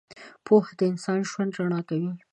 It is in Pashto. • پوهه د انسان ژوند رڼا کوي.